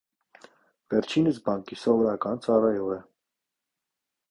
Վերջինս բանկի սովորական ծառայող է։